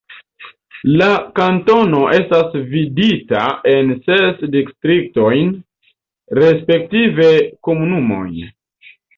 La kantono estas dividita en ses distriktojn respektive komunumojn.